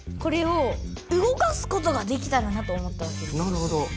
なるほど。